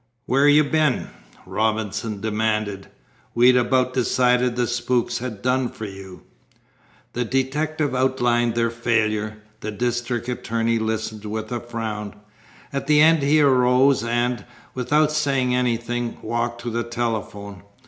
"Where you been?" Robinson demanded. "We'd about decided the spooks had done for you." The detective outlined their failure. The district attorney listened with a frown. At the end he arose and, without saying anything, walked to the telephone.